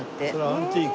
アンティーク。